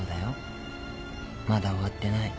「まだ終わってない。